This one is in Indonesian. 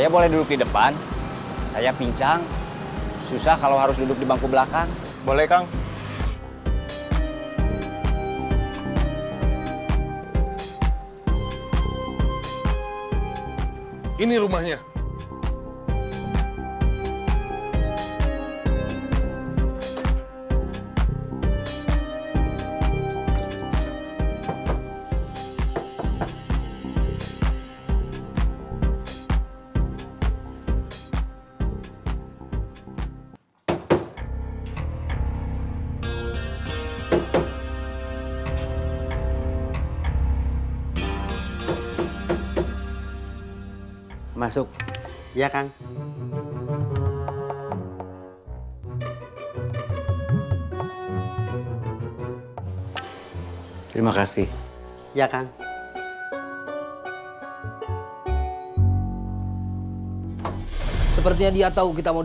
pengertian pakaian penunget dan gaya ini s pumping them